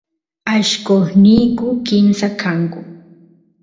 allqosniyku kimsa kanku